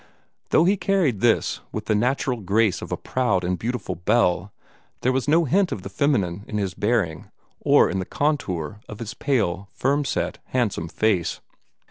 Though he carried this with the natural grace of a proud and beautiful belle, there was no hint of the feminine in his bearing, or in the contour of his pale, firm set, handsome face.